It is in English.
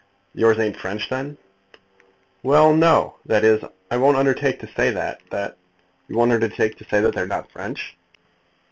"Your's ain't French then?" "Well; no; that is I won't undertake to say that that " "You won't undertake to say that they're not French."